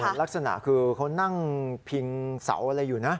ลักษณะคือเขานั่งพิงเสาอะไรอยู่นะ